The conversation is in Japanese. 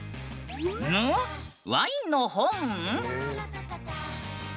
ぬ⁉ワインの本？